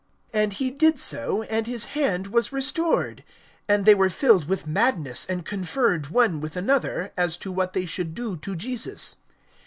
And he did so, and his hand was restored. (11)And they were filled with madness, and conferred one with another, as to what they should do to Jesus.